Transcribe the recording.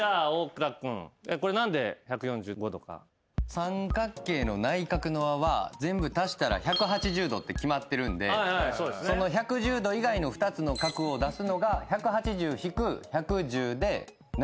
三角形の内角の和は全部足したら１８０度って決まってるんでその１１０度以外の２つの角を出すのが１８０引く１１０で７０度。